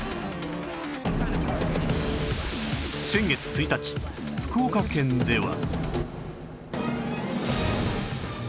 先月１日福岡県では